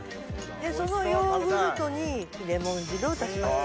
そのヨーグルトにレモン汁を足します。